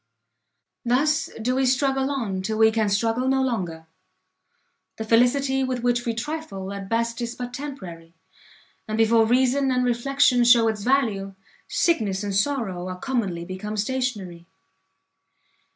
Thus do we struggle on till we can struggle no longer; the felicity with which we trifle, at best is but temporary; and before reason and reflection shew its value, sickness and sorrow are commonly become stationary.